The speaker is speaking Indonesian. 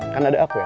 kan ada aku ya